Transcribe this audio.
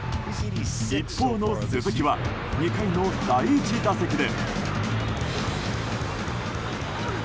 一方の鈴木は２回の第１打席で。